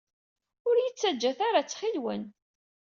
Ur iyi-ttaǧǧat ara, ttxil-wen!